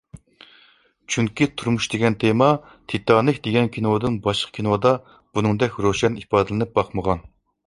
چۈنكى تۇرمۇش دېگەن تېما، تىتانىك دېگەن كىنودىن باشقا كىنودا بۇنىڭدەك روشەن ئىپادىلىنىپ باقمىغان.